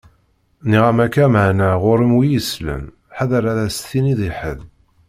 Nniɣ-am akka, maɛna ɣur-m wi isellen. Ḥader ad as-tiniḍ i ḥedd!